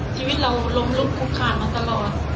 ชีวิตเราล้มลุกคุกคานมาตลอด